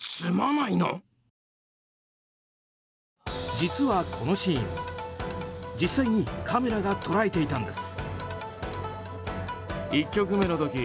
実はこのシーン、実際にカメラが捉えていたんです。